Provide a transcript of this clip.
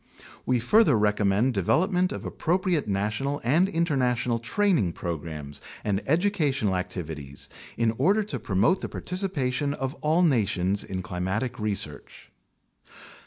We further recommend development of appropriate national and in ternational training programs and educational activities in order to promote the participation of all nations in climatic research.